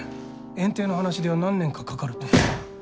園丁の話では何年かかかると。